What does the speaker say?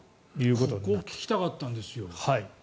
ここ聞きたかったんですよ。